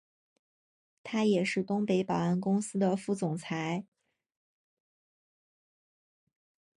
他也是东北保安公司的副总裁。